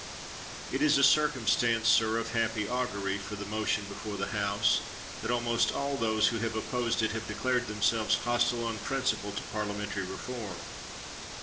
It is a circumstance, sir, of happy augury for the motion before the House, that almost all those who have opposed it have declared them selves hostile on principle to parliamentary re form.